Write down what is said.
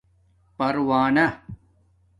پرونہ